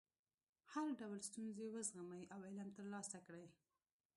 هر ډول ستونزې وزغمئ او علم ترلاسه کړئ.